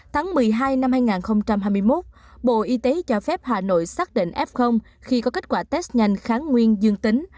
tháng một mươi hai năm hai nghìn hai mươi một bộ y tế cho phép hà nội xác định f khi có kết quả test nhanh kháng nguyên dương tính